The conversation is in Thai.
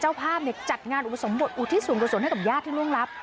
เจ้าพาเมฆจัดงานอุทสมบทอุทิศศูนย์โดยศูนย์ให้กับญาติที่ล่วงรับ